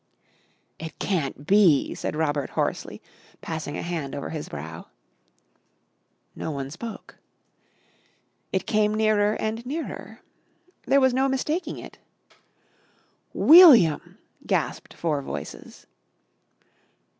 "It can't be," said Robert hoarsely, passing a hand over his brow. No one spoke. It came nearer and nearer. There was no mistaking it. "William!" gasped four voices.